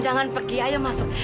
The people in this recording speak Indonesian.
jangan pergi ayo masuk